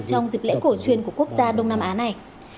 trong dịp lễ cổ chuyên của quốc gia đông nam á này